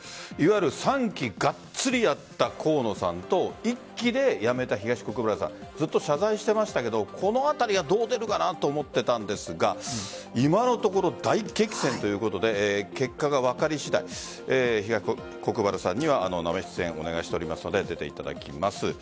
３期ガッツリやった河野さんと１期で辞めた東国原さんは謝罪していましたがこのあたりがどう出るかなと思っていたんですが今のところ大激戦ということで結果が分かり次第東国原さんには生出演お願いしておりますので出ていただきます。